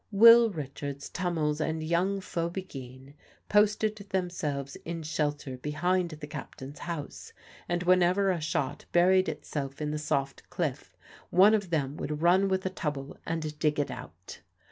Will Richards, Tummels, and young Phoby Geen posted themselves in shelter behind the captain's house, and whenever a shot buried itself in the soft cliff one of them would run with a tubbal and dig it out.